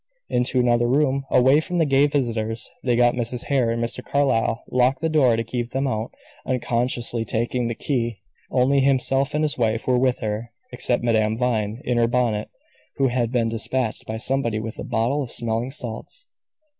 Into another room, away from the gay visitors, they got Mrs. Hare, and Mr. Carlyle locked the door to keep them out, unconsciously taking out the key. Only himself and his wife were with her, except Madame Vine, in her bonnet, who had been dispatched by somebody with a bottle of smelling salts.